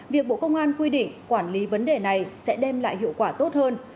việc bộ công an quy định quản lý vấn đề này sẽ đem lại hiệu quả tốt hơn